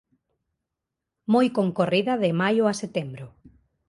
Moi concorrida de maio a setembro.